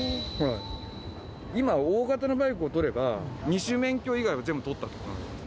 今、大型のバイクを取れば、二種免許以外は全部取ったことになるんです。